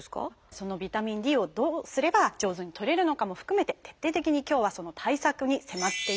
そのビタミンＤをどうすれば上手にとれるのかも含めて徹底的に今日はその対策に迫っていきます。